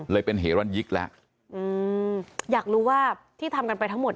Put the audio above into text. เลยเป็นเหรนยิกแล้วอืมอยากรู้ว่าที่ทำกันไปทั้งหมด